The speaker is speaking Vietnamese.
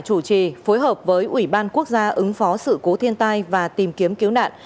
ủy ban quốc gia ứng phó sự cố thiên tai và tìm kiếm cứu nạn